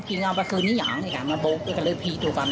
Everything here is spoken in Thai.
อ๋อแฟนเป็นเอาไปคืนตะว่าแม่แหล่ง